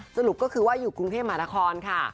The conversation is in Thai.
สรุปก็คือว่าอยู่กรุงเทพมหานครค่ะ